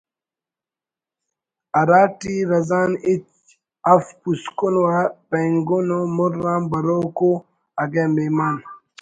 ہرا ٹی رزان ہچ اف پوسکن و بینگُن و مر آن بروک ءُ اگہ مہمان